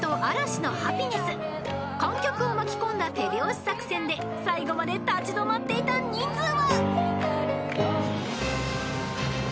［観客を巻き込んだ手拍子作戦で最後まで立ち止まっていた人数は！？］